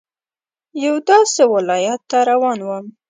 یوه داسې ولايت ته روان وم.